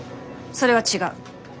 それは違う。